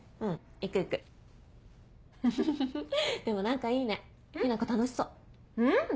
でも何かいいね雛子楽しそう。